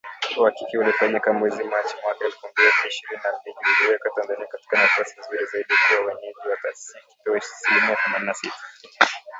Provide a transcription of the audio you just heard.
Uhakiki ulifanyika mwezi Machi mwaka elfu mbili ishirini na mbili uliiweka Tanzania katika nafasi nzuri zaidi kuwa mwenyeji wa taasisi hiyo ikipewa asilimia themanini na sita